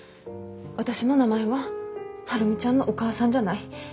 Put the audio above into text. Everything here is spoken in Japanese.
私の名前は「晴海ちゃんのお母さん」じゃない。